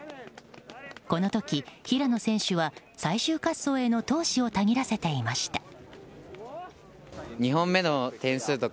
この時、平野選手は最終滑走への闘志をたぎらせていました。